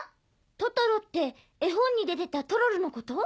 トトロって絵本に出てたトロルのこと？